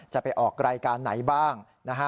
จะไปออกรายการไหนบ้าง